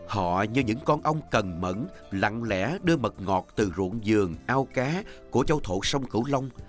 họ như những con ong cần mẫn lặng lẽ đưa mật ngọt từ ruộng giường ao cá của châu thổ sông cửu long